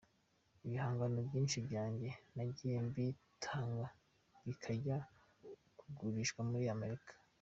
Ibihangano byinshi byanjye nagiye mbitanga bikajya kugurishwa muri Amerika.